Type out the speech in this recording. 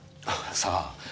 さあ。